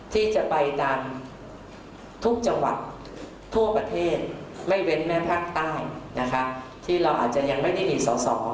ที่จะไปตามทุกจังหวัดทั่วประเทศไม่เว้นแม่ภาคใต้นะคะที่เราอาจจะยังไม่ได้มีสอสอ